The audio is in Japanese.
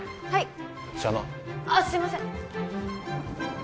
はい！